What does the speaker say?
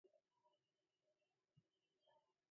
بەداخەوە!